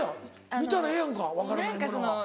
見たらええやんか分からないものは。